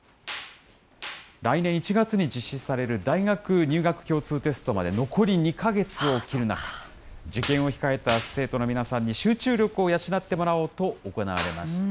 来年１月に実施される大学入学共通テストまで残り２か月を切る中、受験を控えた生徒の皆さんに集中力を養ってもらおうと行われまし